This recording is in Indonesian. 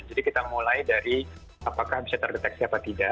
jadi kita mulai dari apakah bisa terdeteksi apa tidak